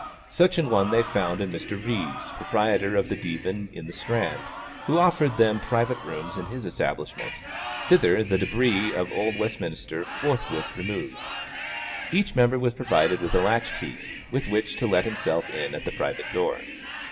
Such an one they found in Mr. Ries, proprietor of the Divan in the Strand, who offered them private rooms in his establishment; thither the débris of the old Westminster forthwith removed. Each member was provided with a latch key, with which to let himself in at the private door.